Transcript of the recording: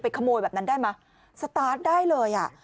ขโมยแบบนั้นได้ไหมสตาร์ทได้เลยอ่ะ